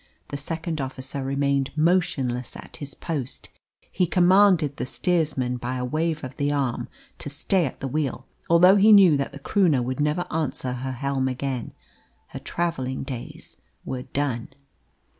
The second officer remained motionless at his post; he commanded the steersman by a wave of the arm to stay at the wheel, although he knew that the Croonah would never answer her helm again; her travelling days were done.